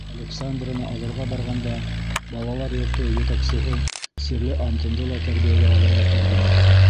Александраны алырға барғанда, балалар йорто етәксеһе сирле Антонды ла тәрбиәгә алырға тәҡдим итә.